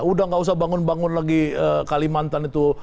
udah gak usah bangun bangun lagi kalimantan itu